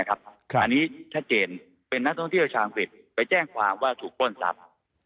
อันนี้ชัดเจนเป็นนักท่องเที่ยวชาวอังกฤษไปแจ้งความว่าถูกปล้นทรัพย์